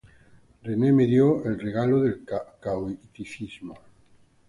Renee me dio el regalo del Catolicismo.